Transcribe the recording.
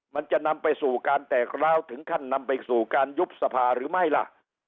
มันจะนำไปสู่การแตกร้าวถึงขั้นนำไปสู่การยุบสภาหรือไม่ล่ะ